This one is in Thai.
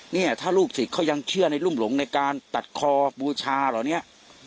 เนี่ยถ้าลูกศิษย์เขายังเชื่อในรุ่มหลงในการตัดคอบูชาเหล่านี้